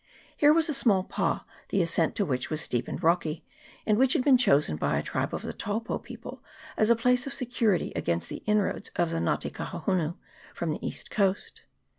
Here was a small pa, the ascent to which was steep and rocky, and which had been chosen by a tribe of the Taupo people as a place of security against the inroads of the Nga te Kahohunu from the east coast.